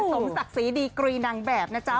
สมศักดิ์ศรีดีกรีนางแบบนะจ๊ะ